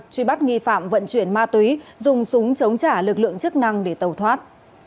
truy bắt nghi phạm vận chuyển ma túy dùng súng chống trả lực lượng chức năng để tàu thoát